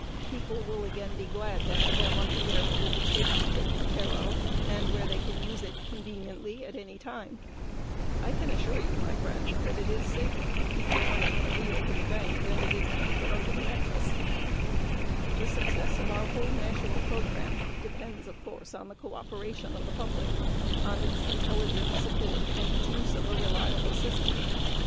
People will again be glad to have their money where it will be safely taken care of and where they can use it conveniently at any time. I can assure you that it is safer to keep your money in a reopened bank than under the mattress. The success of our whole great national program depends, of course, upon the cooperation of the public on its intelligent support and use of a reliable system.